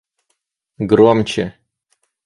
Громче